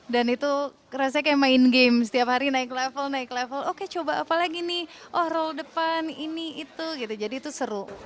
dan itu rasanya kayak main game setiap hari naik level naik level oke coba apa lagi nih oh roll depan ini itu jadi itu seru